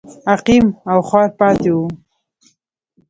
عقیم او خوار پاتې و.